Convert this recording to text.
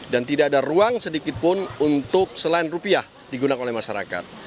dan tidak ada ruang sedikitpun untuk selain rupiah digunakan oleh masyarakat